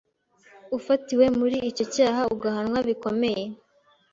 ufatiwe muri icyo cyaha agahanwa bikomeye.